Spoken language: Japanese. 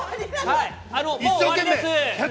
もう終わりです。